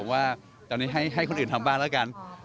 ว่าตอนนี้ให้คนอื่นทำบ้านแล้วกัน